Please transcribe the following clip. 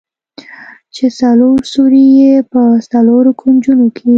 چې څلور سوري يې په څلورو کونجونو کښې.